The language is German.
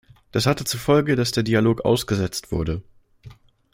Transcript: Das hatte zur Folge, dass der Dialog ausgesetzt wurde.